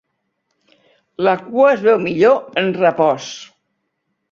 La cua es veu millor en repòs.